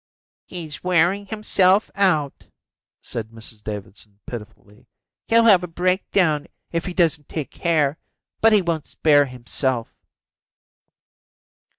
"He's wearing himself out," said Mrs Davidson pitifully. "He'll have a breakdown if he doesn't take care, but he won't spare himself."